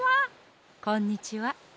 こんにちは。